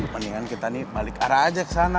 mendingan kita balik arah aja kesana